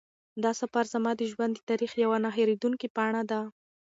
دا سفر زما د ژوند د تاریخ یوه نه هېرېدونکې پاڼه وه.